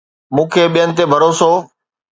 مون کي ٻين تي ڀروسو